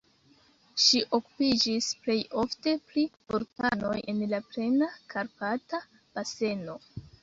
Ŝi okupiĝis plej ofte pri vulkanoj en la plena Karpata baseno.